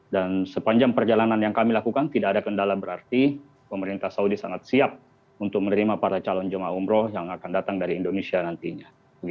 dan sepanjang perjalanan yang kami lakukan tidak ada kendala berarti pemerintah saudi sangat siap untuk menerima para calon jemaah umroh yang akan datang dari indonesia nantinya